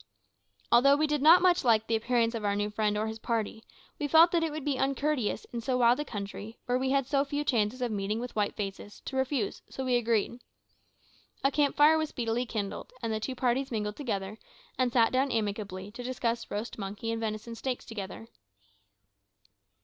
Although we did not much like the appearance of our new friend or his party, we felt that it would be uncourteous in so wild a country, where we had so few chances of meeting with white faces, to refuse, so we agreed. A camp fire was speedily kindled, and the two parties mingled together, and sat down amicably to discuss roast monkey and venison steaks together.